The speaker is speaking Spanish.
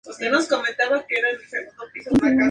Esto, a su vez, facilitó la publicación profesional del libro.